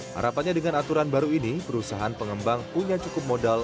harapannya dengan aturan baru ini perusahaan pengembang punya cukup modal